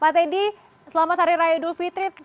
pak teddy selamat hari raya dulfitri